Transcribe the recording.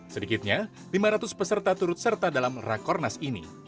sedikitnya lima ratus peserta turut serta dalam rakornas ini